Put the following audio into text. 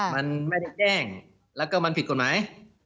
มันไม่ได้แจ้งแล้วก็มันผิดกฎหมาย